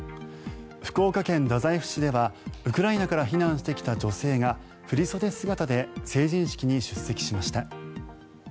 福岡県太宰府市ではウクライナから避難してきた女性が振り袖姿で成人式に出席しました。